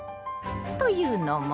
というのも。